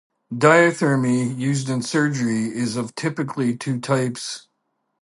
Diathermy used in surgery is of typically two types.